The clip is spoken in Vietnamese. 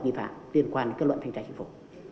vi phạm liên quan kết luận thanh tra thành phố